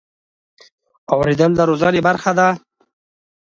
اورېدل د روزنې برخه ده.